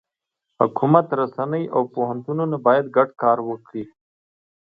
حکومت، رسنۍ، او پوهنتونونه باید ګډ کار وکړي.